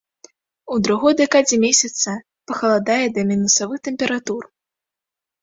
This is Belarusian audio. У другой дэкадзе месяца пахаладае да мінусавых тэмператур.